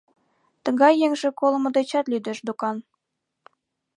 Тыгай еҥже колымо дечат лӱдеш докан.